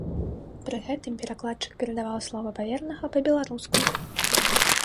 Пры гэтым перакладчык перадаваў словы паверанага па-беларуску.